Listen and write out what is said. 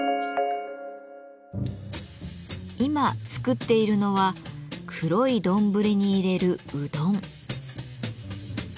今作っているのは黒い丼に入れるうどん。